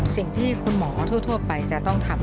สิ่งที่คุณหมอทั่วไปจะต้องทำ